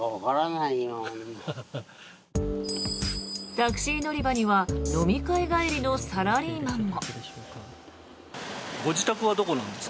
タクシー乗り場には飲み会帰りのサラリーマンも。